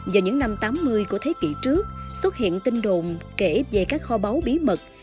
vào những năm tám mươi của thế kỷ trước xuất hiện tin đồn kể về các kho báu bí mật